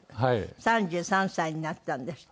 ３３歳になったんですって？